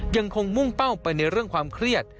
ยังคงมุ่งเป้าไปในเรื่องความเครียด